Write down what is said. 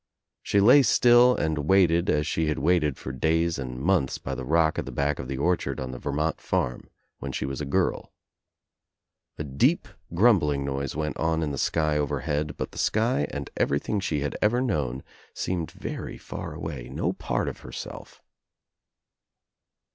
She lay still and waited as she had waited for days and months by the rock at the back of the orchard on the Vermont farm when she was a girl. A deep grum bling noise went on in the sky overhead but the sky and everything she had ever known seemed very far away, no part of herself.